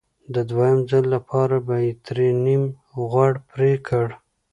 د دویم ځل لپاره به یې ترې نیم غوږ پرې کړ